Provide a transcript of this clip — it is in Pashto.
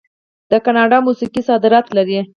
د کاناډا موسیقي صادرات لري.